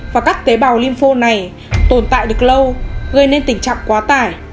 và các tế bào lymphone này tồn tại được lâu gây nên tình trạng quá tải